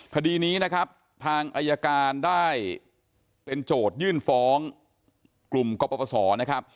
คดีนี้นะครับทางอายการได้เป็นโจทยื่นฟ้องกลุ่มกรปศนะครับ